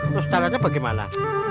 aduh tarannya bagaimana